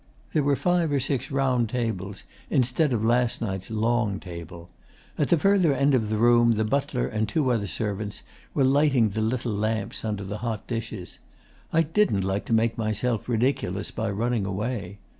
There were five or six round tables, instead of last night's long table. At the further end of the room the butler and two other servants were lighting the little lamps under the hot dishes. I didn't like to make myself ridiculous by running away.